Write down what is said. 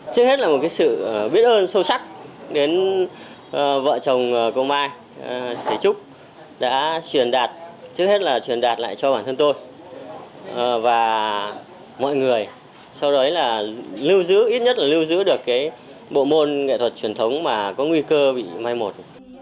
trước hết là một cái sự biết ơn sâu sắc đến vợ chồng công mai thái trúc đã truyền đạt trước hết là truyền đạt lại cho bản thân tôi và mọi người sau đó là lưu giữ ít nhất là lưu giữ được cái bộ môn nghệ thuật truyền thống mà có nguy cơ bị mai một